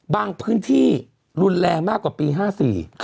บางพื้นที่รุนแรงมากกว่าปี๕๔